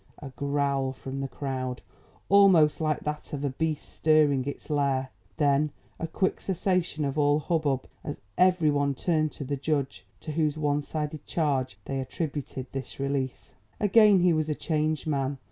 A growl from the crowd, almost like that of a beast stirring its lair, then a quick cessation of all hubbub as every one turned to the judge to whose one sided charge they attributed this release. Again he was a changed man.